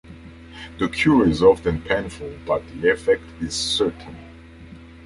The cure is often painful, but the effect is certain.